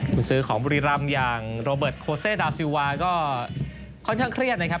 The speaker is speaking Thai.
คุณซื้อของบุรีรำอย่างโรเบิร์ตโคเซดาซิลวาก็ค่อนข้างเครียดนะครับ